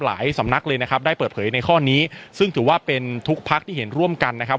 สำนักเลยนะครับได้เปิดเผยในข้อนี้ซึ่งถือว่าเป็นทุกพักที่เห็นร่วมกันนะครับ